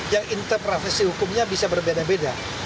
yang interprofesi hukumnya bisa berbeda beda